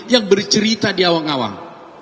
yang bercerita di awang awang